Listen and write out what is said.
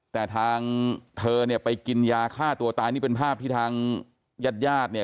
แต่ทางเธอเนี่ยไปกินยาฆ่าตัวตายนี่เป็นภาพที่ทางญาติญาติเนี่ย